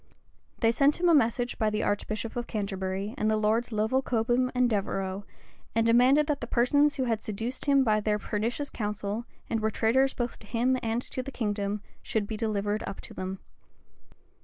They sent him a message by the archbishop of Canterbury, and the lords Lovel Cobham, and Devereux, and demanded that the persons who had seduced him by their pernicious counsel, and were traitors both to him and to the kingdom, should be delivered up to them.